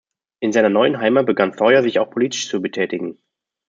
In seiner neuen Heimat begann Sawyer sich auch politisch zu betätigen.